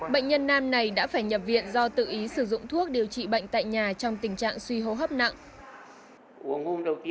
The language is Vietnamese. bệnh nhân nam này đã phải nhập viện do tự ý sử dụng thuốc điều trị bệnh tại nhà trong tình trạng suy hô hấp nặng